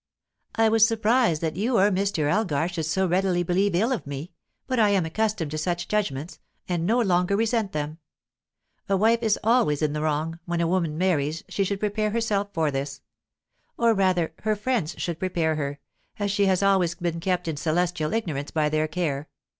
"I was surprised that you (or Mr. Elgar) should so readily believe ill of me, but I am accustomed to such judgments, and no longer resent them. A wife is always in the wrong; when a woman marries, she should prepare herself for this. Or rather, her friends should prepare her, as she has always been kept in celestial ignorance by their care.